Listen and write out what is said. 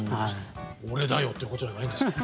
「俺だよ！」ってことじゃないんですか？